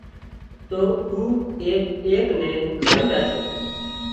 تو اُو ايڪ ايڪ نين کائي زاشي